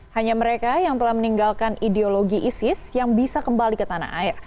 hanya mereka yang telah meninggalkan ideologi isis yang bisa kembali ke tanah air